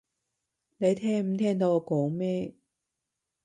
你聽唔聽到我講咩？